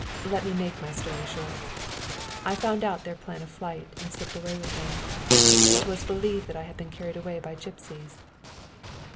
Let me make my story short I found out their plan of flight and slipped away with them. It was believed that I had been carried away by gipsies."